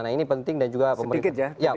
nah ini penting dan juga pemerintah